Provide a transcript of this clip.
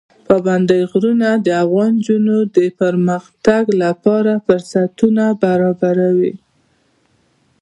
پابندی غرونه د افغان نجونو د پرمختګ لپاره فرصتونه برابروي.